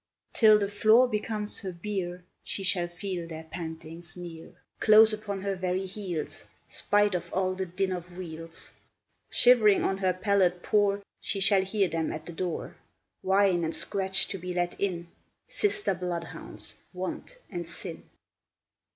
Till the floor becomes her bier, She shall feel their pantings near, Close upon her very heels, Spite of all the din of wheels; Shivering on her pallet poor, She shall hear them at the door Whine and scratch to be let in, Sister bloodhounds, Want and Sin!